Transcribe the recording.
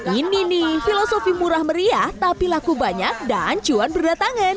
ini nih filosofi murah meriah tapi laku banyak dan cuan berdatangan